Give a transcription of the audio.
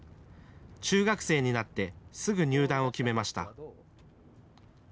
中学生になってすぐ入団を決めました。